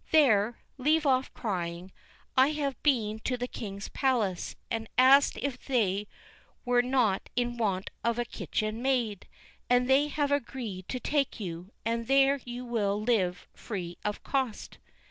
There, leave off crying; I have been to the king's palace, and asked if they were not in want of a kitchen maid; and they have agreed to take you, and there you will live free of cost."